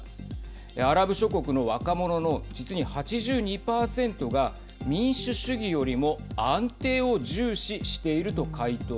アラブ諸国の若者の実に８２％が民主主義よりも安定を重視していると回答。